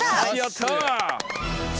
やった！